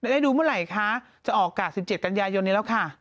ได้ดูเมื่อไหร่คะจะออกอากาศ๑๗กันยายนนี้แล้วค่ะ